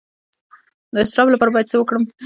د اضطراب لپاره باید څه وکړم؟